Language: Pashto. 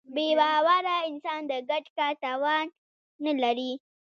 بېباوره انسان د ګډ کار توان نهلري.